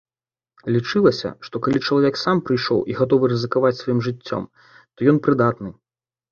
Лічылася, што калі чалавек сам прыйшоў і гатовы рызыкаваць сваім жыццём, то ён прыдатны.